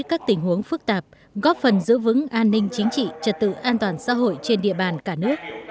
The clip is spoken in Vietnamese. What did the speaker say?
an ninh chính trị trật tự an toàn xã hội trên địa bàn cả nước